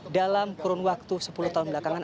dalam kurun waktu sepuluh tahun belakangan